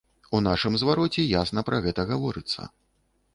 У нашым звароце ясна пра гэта гаворыцца.